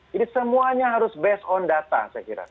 jadi semuanya harus berdasarkan data saya kira